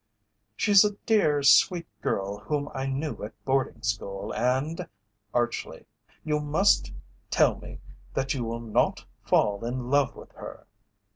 "She's a dear, sweet girl whom I knew at boarding school, and," archly, "you must tell me that you will not fall in love with her."